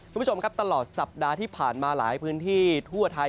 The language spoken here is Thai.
คุณผู้ชมครับตลอดสัปดาห์ที่ผ่านมาหลายพื้นที่ทั่วไทย